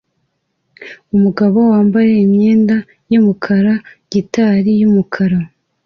Umugabo wambaye imyenda yumukara gitari yumukara